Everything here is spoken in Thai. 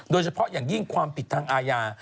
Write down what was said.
โดยเฉพาะอย่างยิ่งความผิดทางอาญา